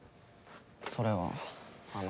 それはあの。